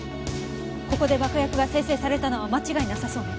ここで爆薬が生成されたのは間違いなさそうね。